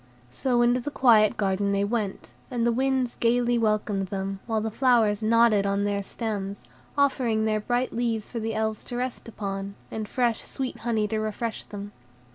So into the quiet garden they went, and the winds gayly welcomed them, while the flowers nodded on their stems, offering their bright leaves for the Elves to rest upon, and fresh, sweet honey to refresh them.